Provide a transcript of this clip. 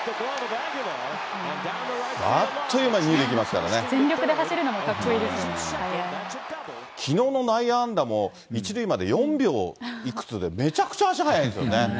あっという間に２塁行きますから全力で走るのもかっこいいできのうの内野安打も１塁まで４秒いくつで、めちゃくちゃ足速いんですよね。